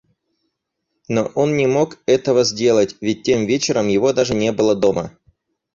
Но он не мог этого сделать, ведь тем вечером его даже не было дома!